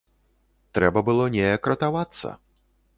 Трэба было неяк ратавацца.